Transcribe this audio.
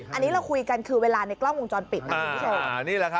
อันนี้เราคุยกันคือเวลาในกล้องวงจรปิดนะคุณผู้ชม